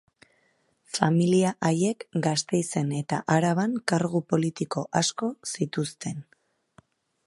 Familia haiek Gasteizen eta Araban kargu politiko asko zituzten.